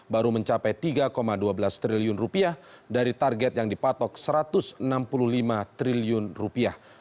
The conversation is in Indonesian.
baru mencapai tiga dua belas triliun rupiah dari target yang dipatok satu ratus enam puluh lima triliun rupiah